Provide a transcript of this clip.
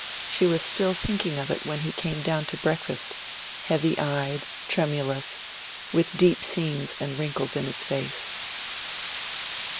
She was still thinking of it when he came down to breakfast, heavy eyed, tremulous, with deep seams and wrinkles in his face.